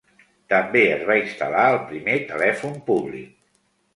També es va instal·lar el primer telèfon públic.